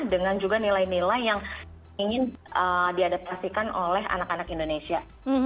dengan juga nilai nilai yang ingin diadaptasikan oleh anak anak indonesia